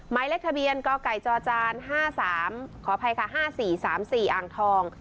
ไม้เล็กทะเบียนก็ไก่จอจานห้าสามขออภัยค่ะห้าสี่สามสี่อ่างทอง